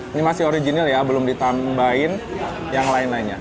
ini masih original ya belum ditambahin yang lain lainnya